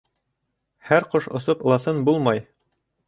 Һәр ҡош осоп ыласын булмай.